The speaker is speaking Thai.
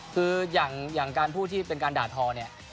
คืออย่างการพูดที่เป็นการด่าทอเนี่ย